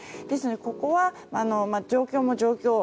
ですので、ここは状況も状況